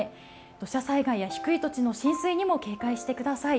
土砂災害や低い土地の浸水にも警戒してください。